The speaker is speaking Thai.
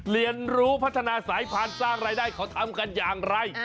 เรียนรู้พัฒนาสายพันธุ์สร้างรายได้เขาทำกันอย่างไร